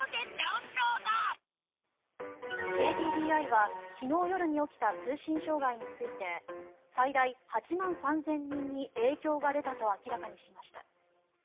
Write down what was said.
ＫＤＤＩは昨日夜に起きた通信障害について最大８万３０００人に影響が出たと明らかにしました。